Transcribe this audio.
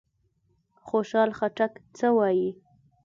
خوشحال خټک څه وايي؟